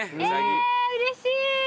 えうれしい。